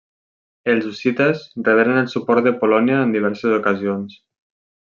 Els hussites reberen el suport de Polònia en diverses ocasions.